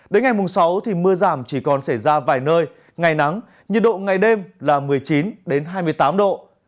đến ngày mùng sáu mưa giảm chỉ còn xảy ra vài nơi ngày nắng nhiệt độ ngày đêm là một mươi chín hai mươi tám độ